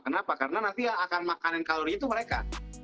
kenapa karena nanti akan makan kalori itu mereka